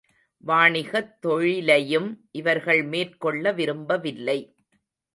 வாணிகத் தொழிலையும், இவர்கள் மேற்கொள்ள விரும்பவில்லை.